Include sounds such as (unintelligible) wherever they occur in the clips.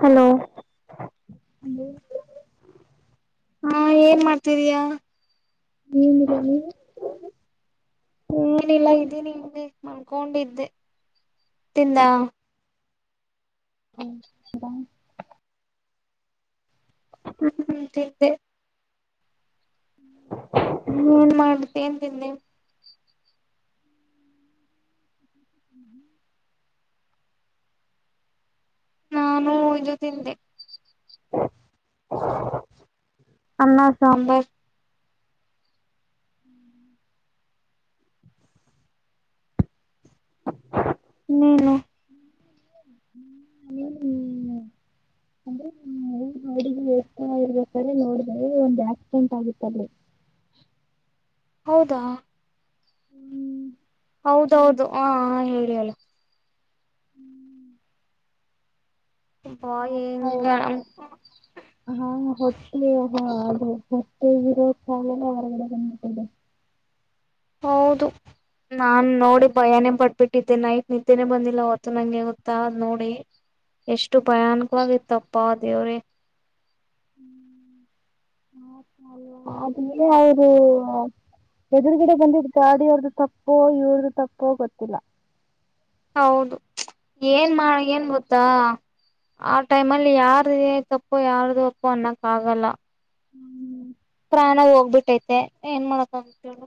Hello hello ಹ ಏನ್ ಮಾಡ್ತಿದಿಯಾ. ನೀವ ಮೇಲೆ ನೀವು (inaudible) ಏನಿಲ್ಲ ಇದಿನಿ ಸುಮ್ಮ್ನೆ ಮನ್ಕೊಂಡಿದ್ದೆ ತಿಂದಾ (unintelligible) ಹ್ಮ ಕುಂತ್ತಿದ್ದೆ. ನೀ ಏನ್ ಮಾಡಿದ್ದೆ ಏನ್ ತಿಂದಿ. (inaudible) ನಾನು ಇದು ತಿಂದೆ. ಅನ್ನ ಸಾಂಬಾರ್. ಇನ್ನೆನು. ಹ್ಮ್ ಹ್ಮ್ಮ್ ಅಂದ್ರೆ ನೋಡ ಎರ್ತ ಇರ್ಬೇಕಾದ್ರೆ ನೋಡಿದೆ ಒಂದ್ ಆಕ್ಸಿಡೆಂಟ್ ಆಗಿತ್ತಲ್ಲಿ ಹೌದಾ ಹೌದೌ ಹೌದ ಹಾ ಹೇಳಿ ಅಲ್ಲಿ ಒಹ್ ಪಾಪ ಹಿಂಗೇ ಎಲ್ಲ ಹಾ ಹೊಟ್ಟೆ ಹಾ ಅದ ಈಗ ಇರೋ ಸಾಲನೆ ಹೊರಗಡೆ ಬಂದಬಿಟ್ಟಿದ್ದೆ. ಹೌದು ನಾನ್ ನೋಡಿ ಬಯಾನೇ ಬಟ್ಬಿಟ್ಟಿದ್ದೆ ನೈಟ್ ನಿದ್ದೆನೆ ಬಂದಿಲ್ಲ ಅವತ್ತ ನಂಗೆ ಗೊತ್ತಾ ನೋಡಿ. ಎಷ್ಟು ಭಯಾಣಕವಾಗಿತ್ತಪ್ಪ ದೇವ್ರೇ. ಇದೆ ಅವರು. ಎದುರುಗಡೆ ಬಂದಿದ ಗಾಡಿಯವ್ರ್ದ ತಪ್ಪೋ ಇವ್ರ್ದ ತಪ್ಪೋ ಗೊತ್ತಿಲ್ಲಾ. ಹೌದು ಏನ್ ಮಾಡ ಏನ್ ಗೊತ್ತಾ ಆ ಟೈಮ್ ಅಲ್ಲಿ ಯಾರ ತಪ್ಪೋ ಯಾರ್ದು ಅಪ್ಪೋ ಅನ್ನಕ್ ಆಗಲ್ಲ ಪ್ರಾಣ ಹೋಗ್ಬಿಟ್ಟೈತೆ ಏನ್ ಮಾಡಕೇಳು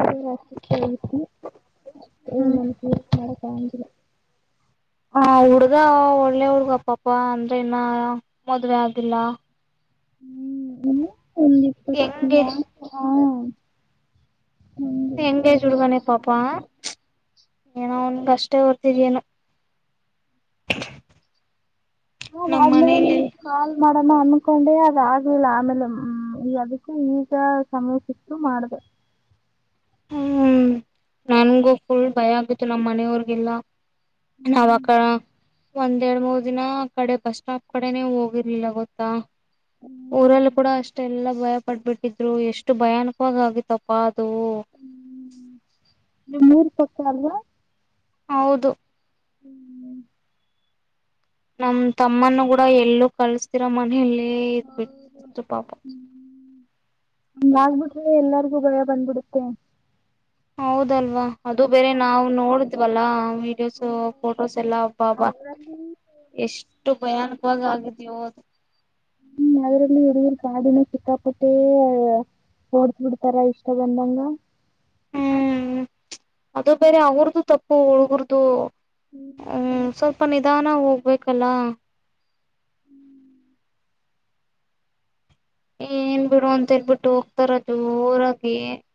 ಐದಷ್ಟಕ್ಕೆ ಹೋಗು ಅ ನ ಮಾಡಕಂದಿಲ್ಲ ಹ ಹುಡ್ಗ ಒಳ್ಳೆ ಹುಡ್ಗಪ್ಪಪ ಅಂದ್ರೆ ಇನ್ನ ಮದ್ವೆೆ ಆಗಿಲ್ಲ ಹ್ಮ್ ಒಂದ್ ಇಪ್ಪತ್ ಹೆಂಗೆ ನಾಲ್ಕು ಹಾ ಹಂಗೆ ಎಂಗೇಜ್ ಹುಡುಗಾನೆ ಪಾಪಾ ಏನೋ ಒನ್ಗ ಅಷ್ಟೇ ಹೊರ್ತಿದನು ಹ ಹಾ ಅ ಆದ್ಮೇಲೆ ಕಾಲ್ ಮಾಡೋಣ ಅನ್ಕೊಂಡೆ ಅದ ಆಗ್ಲಿಲ್ಲ ಆಮೇಲೆ ಹ್ಮ ಈಗ ಅದಕ್ಕೆ ಈಗ ಸಮಯ ಸಿ ಇ ಮಾಡ್ದ ಹ್ಮ್ ನನ್ಗೂ ಫುಲ್ ಭಯ ಆಗತ್ತು ನಮ್ಮ್ ಮನೆಯವ್ರಗೆಲ್ಲಾ ಹ್ಮ್ ನವಕ ಒಂದ್ ಎರಡ್ ಮೂರ್ ದಿನ ಕಡೆ ಬಸ್ ಸ್ಟಾಪ್ ಕಡೆನೆ ಹೋಗಿರ್ಲಿಲ್ಲ ಗೊತ್ತಾ ಊರಲ್ಲಿ ಕೂಡ ಅಷ್ಟೆಲ್ಲ ಭಯ ಪಟ್ಬಿಟ್ಟಿದ್ರು ಎಷ್ಟು ಭಯಾನಕವಾಗಿ ಆಗತ್ತಪ್ಪಾ ಅದು ನೀವು್ ಮೂರ್ ಪಕ್ಕ ಅಲ್ವಾ ಹೌದು ಹ್ಮ್ ನಮ್ ತಮ್ಮನ್ನು ಕೂಡ ಎಲ್ಲೂ ಕಲ್ಸ್ತಿರ ಮನಲಿ ಹೌ ಆಗ್ಬಿಟ್ರೆ ಎಲ್ಲರಿಗೂ ಭಯ ಬಂದ್ಬಿಡುತ್ತೆ ಹೌದಲ್ವಾ ಅದು ಬೇರೆ ನಾವು ನೋಡಿದ್ವಲ್ಲಾ ವಿಡಿಯೋಸ್ ಫೋಟೋಸ್ ಎಲ್ಲಾ ಹಬ್ಬಾ ಹಬ್ಬಾ ಎಷ್ಟು ಭಯಾನಕವಾಗಿ ಆಗಿದ್ಯೋದು ಹ್ಮ್ ಅದ್ರಲ್ಲಿ ಹುಗ ಕಾಡಿನ ಸಿಕ್ಕಾಪಟ್ಟೆಯ ಓಡ್ಸ್ಬಿಡ್ತಾರ ಇಷ್ಟ ಬಂದಂಗ ಹ್ಮ್ ಅದು ಬೇರೆ ಅವ್ರದು ತಪ್ಪು ಹುಳ್ಗರ್ದು ಸ್ವಲ್ಪ ನಿಧಾನ ಹೋಗ್ಬೇಕಲ್ಲ ಏನ್ ಬಿಡು ಅಂತೇಳ್ಬಿಟ್ಟು ಹೋಗ್ತಾರ ಜೋರಾಗಿ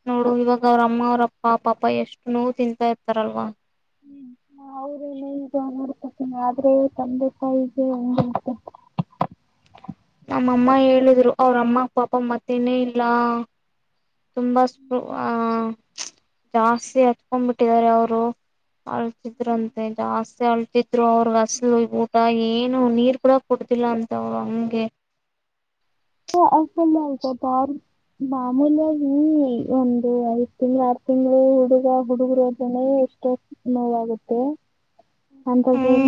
ನೋಡು ಇವಾಗ ಅವ್ರ ಅಮ್ಮ ಅವ್ರಪ್ಪ ಪಾಪ ಎಷ್ಟು ನೋವು ತಿಂತಾ ಇರ್ತಾರಲ್ವಾ ಹ್ಮ ಅವ್ರೇನು ಮಾಡೋಡ್ಕತೇನಿ ಆದ್ರೆ ತಂದೆ ತಾಯಿಗೆಂತ ನಮ್ಮಮ್ಮ ಹೇಳಿದ್ರು ಅವ್ರ ಅಮ್ಮ ಪಾಪ ಮತ್ತೇನೇ ಇಲ್ಲ ತುಂಬಾ ಸ್ಪ ಆ ಜಾಸ್ತಿ ಹತ್ಕೊಂಡ್ ಬಿಟ್ಟಿದ್ದಾರೆ ಅವರು ಅಳ್ತಿದ್ರಂತೆ ಜಾಸ್ತಿ ಅಳ್ತ ಅವ್ರ ಹಸಲು ಊಟ ಏನು ನೀರ್ ಕೂಡ ಕುಡತಿಿಲ್ಲ ಅಂತ ಅವ್ರು ಹಂಗೆ ಅಕತಾರ ಮಾಮೂಲ್ಯಾಗಿ ಒಂದು ಐದ್ ತಿಂಗ್ಳ ಆರ್ ತಿಂಗ್ಳ ಹುಡುಗ ಹುಡುಗರು ನ ಎಷ್ಟೋ ನೋವಾಗುತ್ತೆ ಅ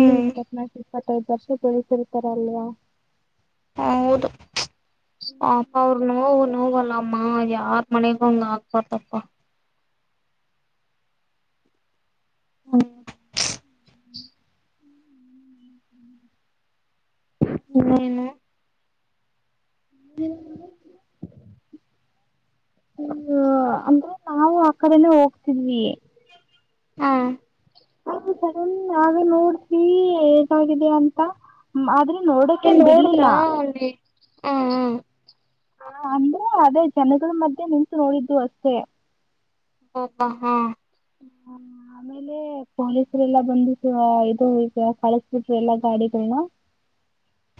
ಇಲ್ಲಿ ಇಪ್ಪತ್ನಾಕು ಇಪ್ಪತ್ತೈದು ವರ್ಷ ಬೆಳಸರ್ತಾರ ಅಲ್ವಾ ಹ ಹೌದು ಪಾಪ ನೋವು ನೋವಲ್ಲ ಅಮ್ಮ ಯಾರ್ ಮನೆಗ ಹಂಗ್ ಆಗ್ಬಾರತಪ್ಪ ಹ್ಮ್ ಹಏನು ಹ್ಮ ಹ್ಮ ಅಂದ್ರೆ ನಾವು ಆ ಕಡೆನ ಹೋಗ್ತಿದ್ವಿ ಹ್ಮ ಹ ನೇ ನೋಡ್ಸ ಹೇಗಗಿಡೆ ಅಂತ ಆದ್ರೆ ನೀನ್ ನೋಡಕೇಏನ್ ನೋಡಿದ್ರ ಬಿಡ್ಲಿಲ್ಲ ಅಲ್ಲಿ ಹ ಹಾ ಅಂದ್ರೆ ಅದೇ ಜನಗಳ ಮಧ್ಯೆ ನಿಂತು ನೋಡಿದ್ದು ಅಷ್ಟೇ ಹಬಾ ಹಾ ಹ್ಮ ಆಮೇಲೆ ಪೊಲೀಸರೆ ಎಲ್ಲಾ ಬಂದ ಇದು ಈಗ ಕಳಸ್ಬಿಟ್ರ ಎಲ್ಲಾ ಗಾಡಿಗಳನ್ನ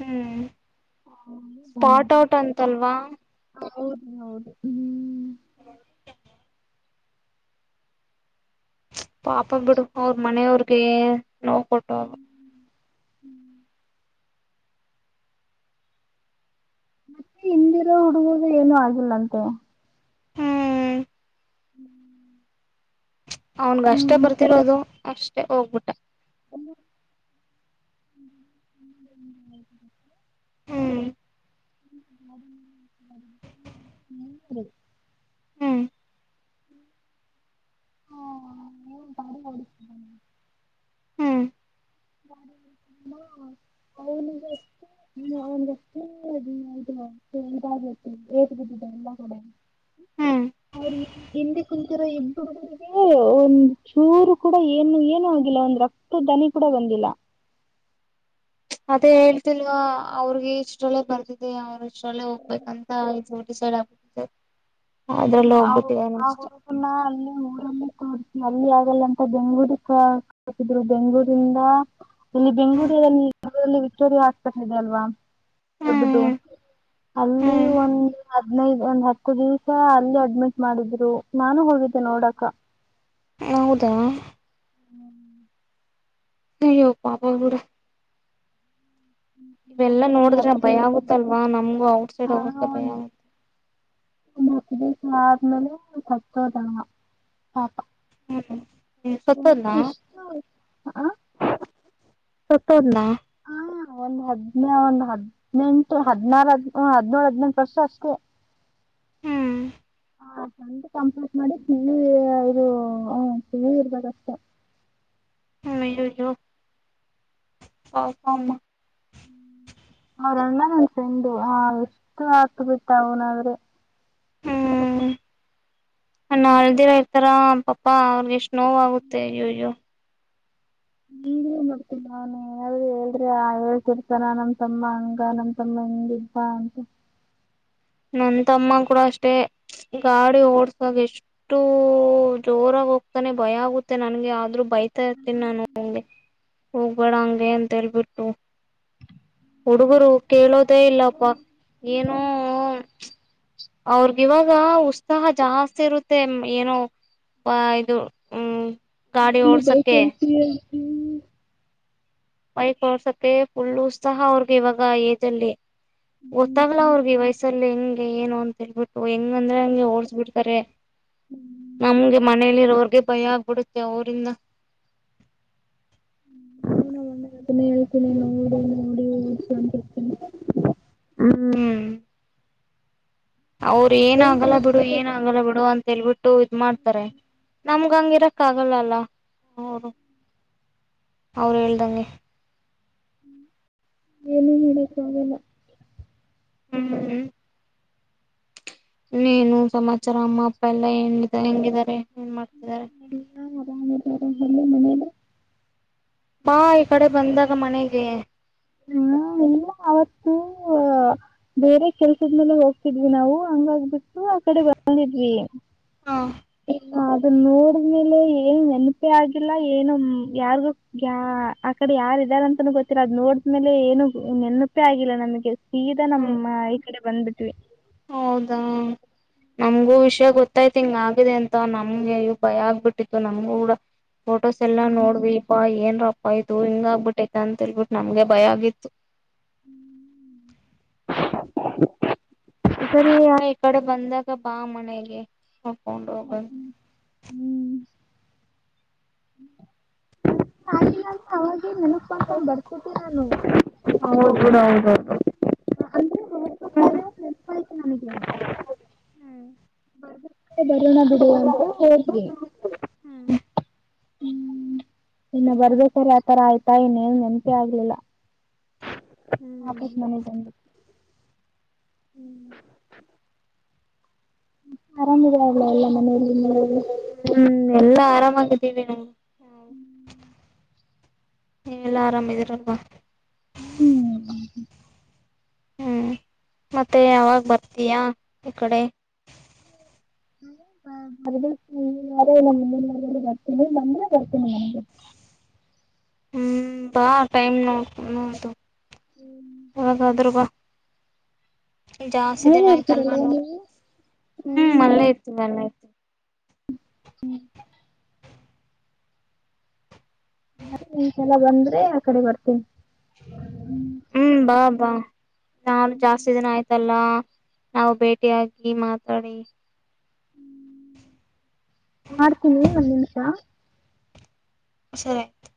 ಹ್ಮ್ ಸ್ಪಾಟ್ಔಟ್ ಅಂತಲ್ವಾ ಹೌದು ಹೌದು ಹ್ಮ್ ಹ್ಮ ಪಾಪ ಬಿಡು ಅವ್ರ ಮನೆಯವ್ರಿಗೆ ನೋವು ಕೊಟ್ಟ ಹ್ಮ್ ಮತ್ತೆ ಹಿಂದಿರೋ ಹುಡುಗರು ಏನು ಆಗಿಲ್ಲಂತೆ ಹ್ಮ್ ಹ್ಮ್ ಅವನ್ಗ ಅಷ್ಟೇ ಬರ್ತಿರೋದು ಅಷ್ಟೇ ಹೋಗ್ಬಿಟ್ಟ ಹ (unintelligible) ಹ್ಮ್ ಹ್ಮ ಸ ಹ್ಮ್ ಹ ಹ ಬಾರಿ ಬಡ (unintelligible) ಹ್ಮ್ (unintelligible) ದುದು ಕೇಳ್ಬು ಏತ್ ಬಿದ್ದಿದೆ ಎಲ್ಲ ಕೂಡ (unintelligible) ಹ್ಮ್ ಅವ್ರಿಗೆ ಎದೆ ಕುಂತರ ಏನ್ ಹ ಒಂದ್ ಚೂರು ಕೂಡ ಏನು ಏನುೂ ಆಗಿಲ್ಲ ಒಂದ್ ರಕ್ತ ದನಿ ಕೂಡ ಬಂದಿಲ್ಲ ಅದೇ ಹೇಳ್ತಿಲ್ವಾ ಅವ್ರಿಗೆ ಇಷ್ಟಲ್ಲೆ ಬರ್ದಿದೆ ಅವ್ರ ಅಷ್ಟಲ್ಲೆ ಹೋಗ್ಬೇಕಂತ ಇದು ಡಿಸೈಡ್ ಆಗಿದೆ ಆ ಹುಡುಗನ ಅಲ್ಲಿ ಊರನ್ನ ತೋರಿಸಿ ಅಲ್ಲಿ ಆಗಲ್ಲ ಅಂತ ಬೆಂಗ್ಳೂರಿಗೆ ದ್ರು ಬೆಂಗಗಳೂರಿಂದ ಇಲ್ಲಿ ಬೆಂಗಗಳೂರಿಲ್ಲಿಲ್ಲಿ ವಿಕ್ಟೋರಿಯಾ ಹಾಸ್ಪಿಟಲ್ ಇದೆ ಅಲ್ವಾ ದಡ್ಡದು ಹ್ಮ್ ಅಲ್ಲಿ ಹ್ಮ್ ಒಂದು್ ಹದ್ ನೈದು ಒಂದ್ ಹತ್ತು ದಿವಸ ಅಲ್ಲಿ ಅಡ್ಮಿಟ್ ಮಾಡಿದ್ರು ನಾನು ಹೋಗಿದ್ದೆ ನೋಡಕ ಹೌದಾ ಹ್ಮ್ (unintelligible) ಅಯ್ಯೋ ಪಾಪ ಬಿಡು ಇವೆಲ್ಲ ಒಂದ್ ನೋಡಿದ್ರೆ ಹತ್ತು ಭಯ ಆಗುತ್ತಲ್ವಾ ನಮ್ಗು ಔಟ್ಸೈಡ್ ಅವ್ರಗೆ ಭಯ ಆಗುತ್ತ ನ ಇ ಸಾರ್ಮಲ ತಚೋದಪ ಹ್ಮ್ ನೀ ಸತ್ತಲ್ಲ ಎಷ್ಟು ಆ ಸತ್ತುದ ಹಾ ಒಂದ್ ಹದ್ ನ ಒಂದ್ ಹದ್ನೆಟು ಹದ್ನಾರು ಹದ್ ಹದ್ ನೋಳ ಹದ್ ನೆಂಟು ವರ್ಷ ಅಷ್ಟೇ ಹ್ಮ್ ಹ ಸಂಡ ಕಂಪ್ಲೀಟ್ ಮಾಡಿ ಕಿವಿ ಇದು ಹ ಕಿವಿ ಇರ್ಬೇಕಷ್ಟೆ ಹ ಅಯ್ಯಯ್ಯೋ ಪಾಪ ಅಮ್ಮ (inaudible) ಹಾಗ ಅಲ್ಲ ನನ್ನ ಫ್ರೆಂಡು ಆ ಎಷ್ಟು ಅತ್ತಬಿಟ್ಟ ಅವನಾದ್ರೆ, ಹೂ ಹಣ್ಣ ಹಳದಿರಯತಾರ ಪಪ್ಪಾ ಅವ್ರಿಗೆ ಎಷ್ಟ ನೋವ ಆಗುತ್ತೆ ಅಯ್ಯ ಅಯ್ಯೋ, (inaudible) ಮತ್ತ ನಾನು ಅವು ಹುಡುಗರ ಆಗಿತಿ ಅಂತಾನ ನಮ್ಮ ತಮ್ಮ ಹಂಗ ನಮ್ಮ ತಮ್ಮ ಹಿಂಗ ಇದ್ದ ಅಂತ ನಮ್ಮ ತಮ್ಮನ ಕೂಡ ಅಷ್ಟೇ ಗಾಡಿ ಓಡಸುವಾಗ ಎಷ್ಟ ಷ್ಟು ಜೋರಾಗಿ ಹೋಗ್ತಾನೆ ಭಯ ಆಗುತ್ತೆ ನನಗೆ ಆದ್ರೂ ಬೈತಾ ಇರ್ತೀನಿ ನಾನು ಅವನಿಗೆ ಹೋಗ್ಬೇಡ ಹಂಗೆ ಅಂತ ಹೇಳ್ಬಿಟ್ಟು. (inaudible) ಹುಡುಗರು ಕೇಳೋದೇ ಇಲ್ಲಪ್ಪಾ ಏನೋ ಅವರ ಇವಾಗ ಉತ್ಸಾಹ ಜಾಸ್ತಿ ಇರುತ್ತೆ ಏನೋ ಆ ಇದು ಹೂ ನೀನ್ ಬೈಕ್ ಒಯತ್ತಿ ಅಂತ ಹೇಳಿ (inaudible) (unintelligible) ಬೈಕ್ ಓಡಸೋಕೆ ಫುಲ್ಲು ಉತ್ಸಾಹಾ ಅವ್ರಗೆ ಇವಾಗ ಆ ಏಜ್ ಅಲ್ಲಿ. ಗೊತ್ತ ಆಗಲ್ಲ ಅವ್ರಿಗೆ ವಯಸ್ಸಲ್ಲಿ ಹೆಂಗೆ ಏನು ಅಂತ ಹೇಳಬಿಟ್ಟು ಓ ಹೆಂಗಂದ್ರೆ ಹಂಗೆ ಓಡಿಸಬಿಡ್ತಾರೆ ನಮಗೆ ಮನೇಲಿ ಇರೋರಿಗೆ ಭಯಾ ಆಗ್ಬಿಡ್ ಯಾವ ಊರಿಂದ ನಾನು ಒಂದ ಗಂಟೆಗೆ ಏಳ್ತೀನಿ ನೋಡು ನೋಡಿ ಅಂತಿರ್ತೀನಿ. (unintelligible) (inaudible) (unintelligible) ಮೊನ್ನೆ ಅವ್ರರ ಏನ್ ಟೈಮ್ ಆಗಲ್ಲ ಬಿಡು ಅಷ್ಟೇ ಏನ್ ಆಗಲ್ಲ ಬಿಡು ಅಂತ ಹೇಳ್ಬಿಟ್ಟು ಇದ್ ಮಾಡ್ತಾರೆ ನಮಗ ಹಂಗ ಇರೋಕೆ ಆಗಲ್ಲ ಅಲ್ಲ ಅವರು ಅವರ ಹೇಳ್ದಂಗೆ. ಏನು ಹೇಳಕ್ಕ ಆಗಲ್ಲ? ಹು ಹು ಇನ್ ಏನು ಸಮಾಚಾರ ನಮ್ಮ ಅಪ್ಪ ಎಲ್ಲಾ ಹೆಂಗಿದ್ದಾರೆ ಏನ್ ಮಾಡ್ತಿದ್ದಾರೆ. ಎಲ್ಲರೂ ಆರಾಮ ಇದಾರೆ ಇಗ್ ಹೇಳಲ್ಲ ಬಾ ಈ ಕಡೆ ಬಂದಾಗ ಮನೆಗೆ. (inaudible) ಹಾ ಇಲ್ಲ ಅವತ್ತು. (inaudible) ತ ಬೇರೆ ಕೆಲಸದ ಮೇಲೆ ಹೋಗ್ತಿದ್ವಿ ನಾವು ಹಂಗ ಆಗಿ ಬಿಟ್ಟ ಸು ಆ ಕಡೆ ಬಂದಿದ್ವಿ. (inaudible) ಹ (unintelligible) ನಾ ಅದನ ನೋಡದ ಮೇಲೆ ಏನ್ ನೆನಪೆ ಆಗಿಲ್ಲ ಏನು ಯಾರ್ಗು ಗ್ಯಾ ಆ ಕಡೆ ಯಾರ ಇದ್ದರೆ ಅಂತನು ಗೊತ್ತಿಲ್ಲ ಅದ್ ನೋಡದ ಆಮೇಲೆ ಏನು ನೆನಪೇ ಆಗಿಲ್ಲ ನನಗೆ ಸೀದಾ ಹ್ಮ್ ನಮ್ಮ ಈ ಕಡೆ ಬಂದ್ಬಿಟ್ವಿ. ಹೌದಾ? (inaudible) ನಮಗೂ ವಿಷಯ ಗೊತ್ತಾಯ್ತು ಹಿಂಗ ಆಗಿದೆ ಅಂತ ನಮಗೆ ಭಯ ಆಗ್ಬಿಟ್ಟಿತ್ತು ನಮಗೂ ಕೂಡ ಫೋಟೋಸ್ ಎಲ್ಲಾ ನೋಡ ರೀ ಪಾ ಏನ್ರಪ್ಪ ಏನ್ ರೂಪಾಆಯ್ು ಹಿಂಗ ಆಗ್ಬಿಟ್ಟೈತ ಅಂತೇಳ್ಬಿಟ್ಟು ನಮ್ಗೆ ಭಯ ಆಗಿತ್ತು. ಹೂ ಸರಿ ಆ ಈ ಕಡೆ ಬಂದಾಗ ಬಾ ಮನೆಗೆ, (inaudible) ಮೊಲ್ಕಂಡಲು. ಮತ್ತ ಏನ್ (inaudible) ಹಾಗಿಲ್ಲ ಅಂತಾ ಅವಾಗೆ ನೆನಪ ಮಾಡಕೊಂಡ್ ಬರದ ಕೊಟ್ಟಿದನ ಅಲ್ಲ. (inaudible) ಹೌದ ಬಿಡ ಹೌದ ಹೌದ (inaudible) ಅಂದ್ರೆ ಹೊರ ಪ್ರಕಾರ ನೆನಪ ಆಯ್ತ ನನಗೆ. (inaudible) ಹ್ಮ್ ಮತ್ತೆ ಬರೋಣ ಬಿಡು ಅಂತ ಹೋದವಿ. (inaudible) ಇನ್ನ ಬರರ್ಬೇಕಾರ ಆತರ ಆಯ್ತಾ ಇನ್ನೇನ ನೆನಪೆ ಆಗಲಿಲ್ಲ. (inaudible) ಹೂ ವಾಪಸ್ ಮನೆಗ್ ಬಂದು ಹ್ಮ್ ಆರಾಮ್ದೆ ಅಲ್ಲ ಎಲ್ಲ ಮನೆಯಲ್ಲಿ ನೀ ಹ್ಮ್ ಎಲ್ಲಾ ಆರಾಮಾಗಿದ್ದೀವಿ ನಾ ವ ಹ್ಮ್ ನೀ ಎಲ್ಲಾ ಆರಾಮಿದೀರಂಬಾ ಹ್ಮ್ ಹ್ಞ ಮತ್ತೆ ಯಾವಾಗ ಬರ್ತೀಯಾ ಈ ಕಡೆ ನ ಬರ್ತೀನಿ ನಮನೇ ಬರ್ತೀನಿ ನಮಗೆ ಹ್ಮ್ ಬಾ ಟೈಮ ನ ನತ ಒದ ದರಬ್ ಜಾಸ್ತಿ ದಿನ ಮೇಲೆ ಆಯ್ತಲ್ವಾ ಇರ್ತೀರಲ್ವಾ ನೋಡಿ ನೀವು ಹ್ಮ್ ಮಲ್ಲೆ ಇತ ಮಲ್ಲ ಆತ ಹ್ಮ ಹ್ಮ್ ನರಿ ನಿಂಸಲ್ಲ ಬಂದ್ರೆ ಆ ಕಡೆ ಬರ್ತೇನಿ ಹ್ಮ್ ಬಾ ಬಾ ನಾನು ಜಾಸ್ತಿ ದಿನ ಆಯ್ತಲ್ಲ ನಾವು ಬೇಟಿ ಆಗಿ ಮಾತಾಡಿ ಮಾಡ್ತೀನಿ ಒಂದ್ ನಿಮಿಷ ಸರಿಯ್ತು